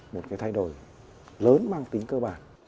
một cái thay đổi lớn mang tính cơ bản